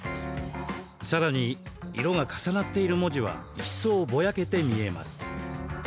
さらに色が重なっている文字は一層ぼやけて見えます。